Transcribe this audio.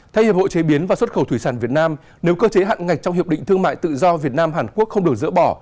thay hiệp hội chế biến và xuất khẩu thủy sản việt nam nếu cơ chế hạn ngạch trong hiệp định thương mại tự do việt nam hàn quốc không được dỡ bỏ